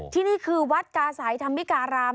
ที่นี่คือวัดกาศัยธรรมิการาม